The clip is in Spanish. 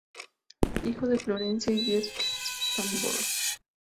Hijo de Florencia y Jeff Sanborn.